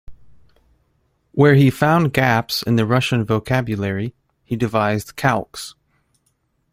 Where he found gaps in the Russian vocabulary, he devised calques.